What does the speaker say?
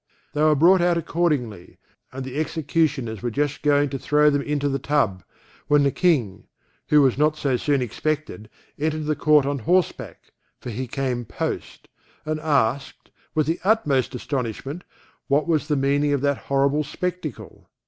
They were brought out accordingly, and the executioners were just going to throw them into the tub, when the King (who was not so soon expected) entered the court on horse back (for he came post) and asked, with the utmost astonishment, what was the meaning of that horrible spectacle?